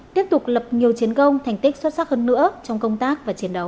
tiếp tục lập nhiều chiến công thành tích xuất sắc hơn nữa trong công tác và chiến đấu